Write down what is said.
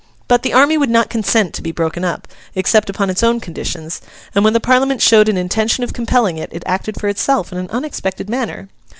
But, the army would not consent to be broken up, except upon its own conditions; and, when the Parliament showed an intention of compelling it, it acted for itself in an unexpected manner.